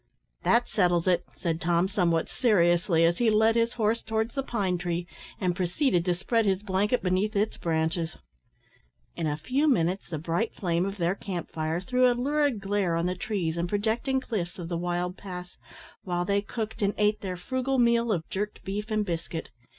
"That settles it," said Tom, somewhat seriously, as he led his horse towards the pine tree, and proceeded to spread his blanket beneath its branches. In a few minutes the bright flame of their camp fire threw a lurid glare on the trees and projecting cliffs of the wild pass, while they cooked and ate their frugal meal of jerked beef and biscuit.